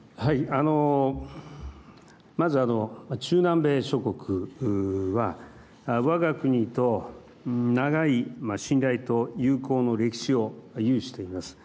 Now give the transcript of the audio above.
まず、中南米諸国はわが国と長い信頼と友好の歴史を有しています。